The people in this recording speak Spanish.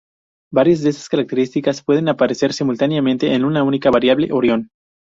Varias de estas características pueden aparecer simultáneamente en una única variable Orión.